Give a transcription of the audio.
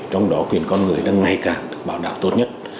trong đó quyền con người đang ngày càng được bảo đảm tốt nhất